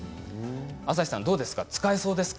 朝日さん使えそうですか？